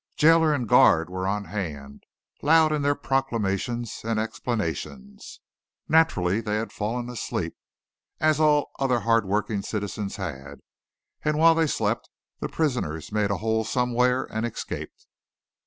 Jailer and guard were on hand, loud in their proclamations and explanations. Naturally they had fallen asleep, as all other hard working citizens had, and while they slept the prisoners made a hole somewhere and escaped.